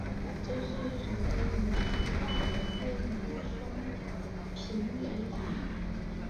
这是一种功能强大的多模双频雷达。